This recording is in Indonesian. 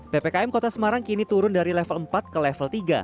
ppkm kota semarang kini turun dari level empat ke level tiga